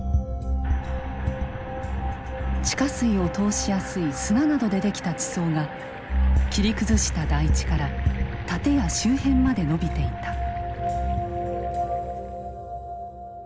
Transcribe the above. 地下水を通しやすい砂などでできた地層が切り崩した台地から建屋周辺まで伸びていた。